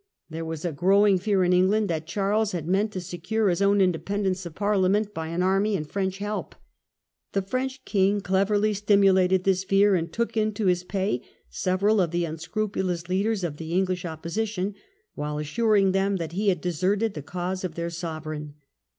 There was a growing fear in England that Charles had meant to secure Thcopposi ^^^^^^ independence of Parliament by an tionand army and French help. The French king Louis XIV. cleverly stimulated this fear, and took into his pay several of the unscrupulous leaders of the English opposition, while assuring them that he had deserted the cause of their sovereign.